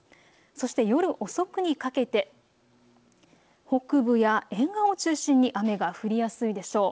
そして夜遅くにかけて北部や沿岸を中心に雨が降りやすいでしょう。